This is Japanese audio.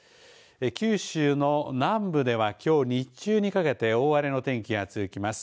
九州の南部ではきょう日中にかけて大荒れの天気が続きます。